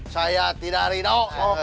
saya tidak ridho